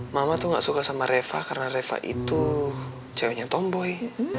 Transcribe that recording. mama tuh gak suka sama reva karena reva itu ceweknya tomboy